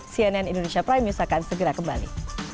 cnn indonesia prime news akan segera kembali